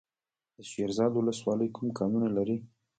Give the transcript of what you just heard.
د شیرزاد ولسوالۍ کوم کانونه لري؟